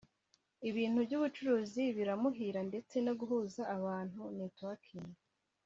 Ibintu by’ubucuruzi biramuhira ndetse no guhuza abantu (networking)